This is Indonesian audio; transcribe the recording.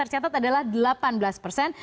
tercatat adalah delapan belas persen